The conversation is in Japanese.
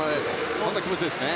そんな気持ちですね。